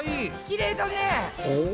きれいだね。